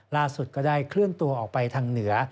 ก็ได้เคลื่อนตัวออกไปทางเหนือ